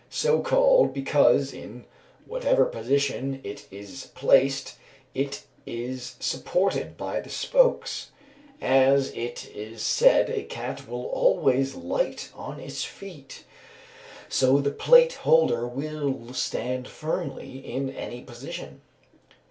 So called because, in whatever position it is placed, it is supported by the spokes; as it is said a cat will always light on its feet, so the plate holder will stand firmly in any position.